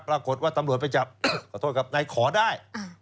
ปรากฏว่าตำรวจไปจับขอโทษครับนายขอได้